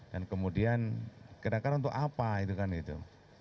dan kemudian kira kira untuk apa itu kan itu